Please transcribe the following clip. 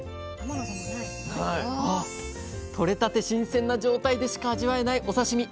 とれたて新鮮な状態でしか味わえないお刺身